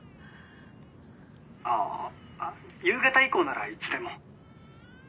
ああ夕方以降ならいつでも。